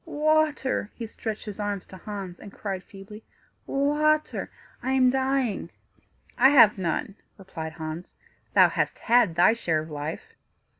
"Water!" he stretched his arms to Hans, and cried feebly, "Water! I am dying." "I have none," replied Hans; "thou hast had thy share of life."